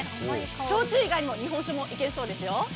焼酎以外にも、日本酒もイケるそうですよ。